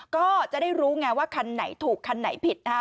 ก็จะได้รู้ไงว่าคันไหนถูกคันไหนผิดนะฮะ